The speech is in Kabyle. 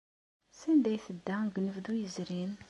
Sanda ay tedda deg unebdu yezrin?